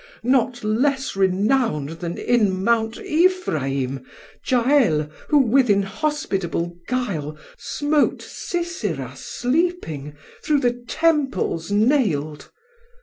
Not less renown'd then in Mount Ephraim, Jael who with inhospitable guile Smote Sisera sleeping through the Temples nail'd.